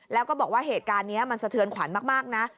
แล้วก็บอกว่าเหตุการณ์นี้มันสะเทือนขวัญมากนะ